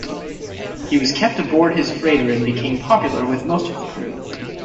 He was kept aboard his freighter and became popular with most of the crew.